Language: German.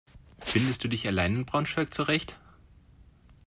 Findest du dich allein in Braunschweig zurecht?